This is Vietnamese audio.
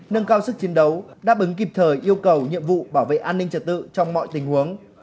nâng cao sức chiến đấu đáp ứng kịp thời yêu cầu nhiệm vụ bảo vệ an ninh trật tự trong mọi tình huống